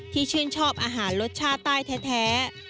ที่ชื่นชอบอาหารรสชาต้ายแท้